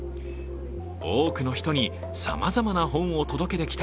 多くの人にさまざまな本を届けてきた